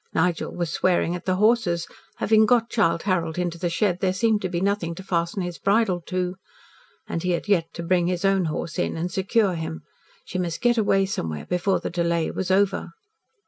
Nigel was swearing at the horses. Having got Childe Harold into the shed, there seemed to be nothing to fasten his bridle to. And he had yet to bring his own horse in and secure him. She must get away somewhere before the delay was over.